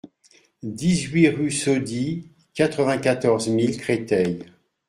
dix-huit rue Soddy, quatre-vingt-quatorze mille Créteil